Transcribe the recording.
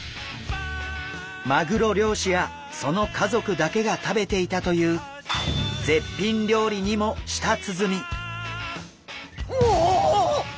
マグロ漁師やその家族だけが食べていたという絶品料理にも舌鼓。